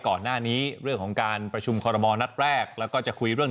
ก่อนหน้านี้เรื่องของการประชุมคอรมอลนัดแรกแล้วก็จะคุยเรื่อง